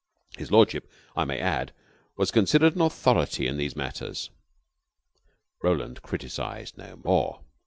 His lordship, I may add, was considered an authority in these matters." Roland criticized no more.